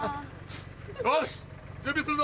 よし準備するぞ！